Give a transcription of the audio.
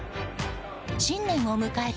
新年を迎えた